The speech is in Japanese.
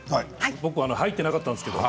僕、入っていなかったんですけど。